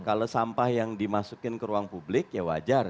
kalau sampah yang dimasukin ke ruang publik ya wajar